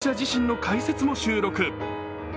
作者自身の解説も収録。